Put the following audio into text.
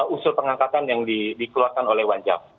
usul pengangkatan yang dikeluarkan oleh wanjak